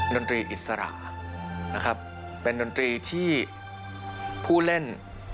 ดนตรีอิสระนะครับเป็นดนตรีที่ผู้เล่น